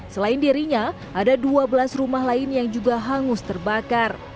selain dirinya ada dua belas rumah lain yang juga hangus terbakar